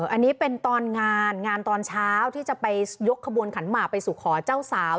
อันนี้เป็นตอนงานงานตอนเช้าที่จะไปยกขบวนขันหมากไปสู่ขอเจ้าสาว